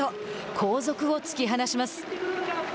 後続を突き放します。